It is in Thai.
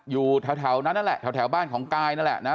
อยู่แถวนั้นนั่นแหละแถวบ้านของกายนั่นแหละนะ